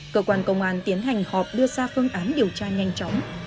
cơ quan công an tiến hành họp đưa ra phương án điều tra nhanh chóng